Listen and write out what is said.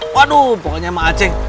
waduh pokoknya sama acek